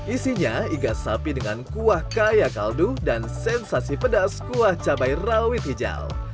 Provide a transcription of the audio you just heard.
isinya igas sapi dengan kuah kaya kaldu dan sensasi pedas kuah cabai rawit hijau